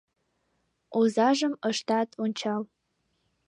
Озажым ышат ончал.